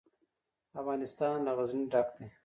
افغانستان له غزني ډک دی.